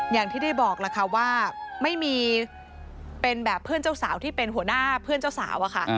อย่างที่ได้บอกล่ะค่ะว่าไม่มีเป็นแบบเพื่อนเจ้าสาวที่เป็นหัวหน้าเพื่อนเจ้าสาวอะค่ะ